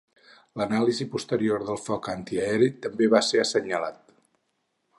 L'anàlisi posterior del foc antiaeri també va ser senyalat.